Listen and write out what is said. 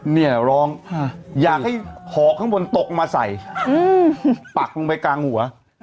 เนี่ยร้องอยากให้ห่อข้างบนตกมาใส่ปักลงไปกลางหัว